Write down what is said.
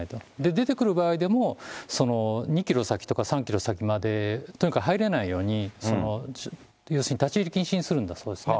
出てくる場合でも、２キロ先とか、３キロ先までとにかく入れないように、要するに立ち入り禁止にするんだそうですね。